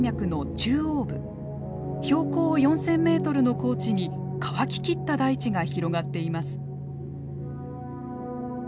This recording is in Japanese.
標高４，０００メートルの高地に乾ききった大地が広がっています。